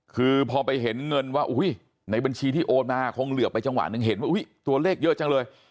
คือพอไปเห็นเงินว่าในบัญชีที่โอนมาคงเหลือไปจังหวะหนึ่งเห็นว่าตัวเลขเยอะจังเลย